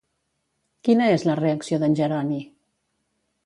Quina és la reacció d'en Jeroni?